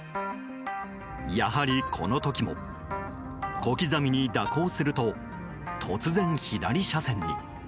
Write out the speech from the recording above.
やはり、この時も小刻みに蛇行すると突然、左車線に。